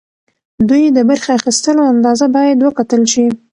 دوی د برخې اخیستلو اندازه باید وکتل شي.